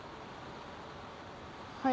はい。